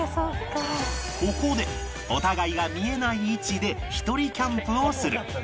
ここでお互いが見えない位置でひとりキャンプをする